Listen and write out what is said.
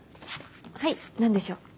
はい何でしょう？